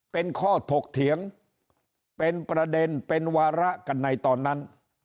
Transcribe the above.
เป็นข้อถกเถียงเป็นประเด็นเป็นวาระกันในตอนนั้น